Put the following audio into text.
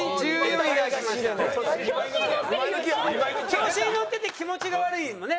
調子に乗ってて気持ちが悪いのね。